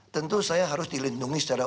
tentu saya harus dilindungi secara